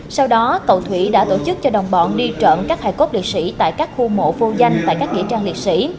sau đó cậu thủy đã tổ chức cho đồng bọn đi trợ các hải cốt liệt sĩ tại các khu mộ vô danh tại các nghĩa trang liệt sĩ